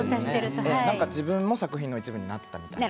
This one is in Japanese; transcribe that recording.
自分も作品の一部になったような。